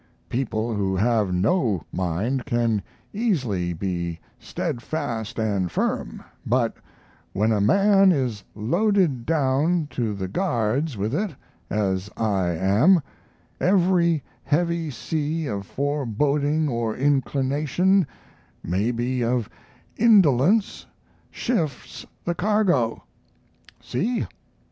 People who have no mind can easily be stead fast and firm, but when a man is loaded down to the guards with it, as I am, every heavy sea of foreboding or inclination, maybe of indolence, shifts the cargo. See?